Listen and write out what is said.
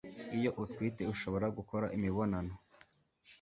iyo utwite ushobora gukora imibonano